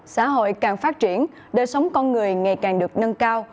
xã hội càng phát triển đời sống con người ngày càng được nâng cao